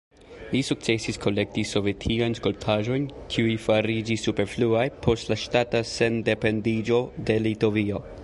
Li sukcesis kolekti sovetiajn skulptaĵojn, kiuj fariĝis superfluaj post la ŝtata sendependiĝo de Litovio.